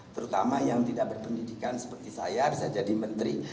terutama yang tidak berpendidikan seperti saya bisa jadi menteri